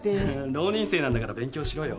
浪人生なんだから勉強しろよ。